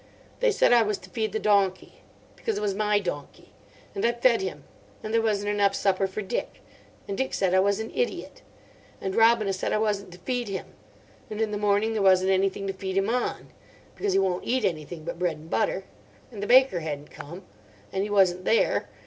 They said I was to feed the donkey. Because it was my donkey. And I fed him. And there wasn't enough supper for Dick. And Dick said I was an idiot. And Robina said I wasn't to feed him. And in the morning there wasn't anything to feed him on. Because he won't eat anything but bread and butter. And the baker hadn't come. And he wasn't there.